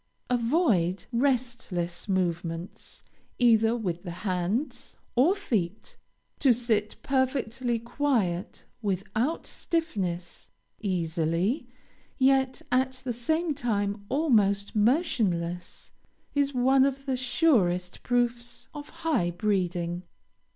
Avoid restless movements either with the hands, or feet; to sit perfectly quiet, without stiffness, easily, yet at the same time almost motionless, is one of the surest proofs of high breeding.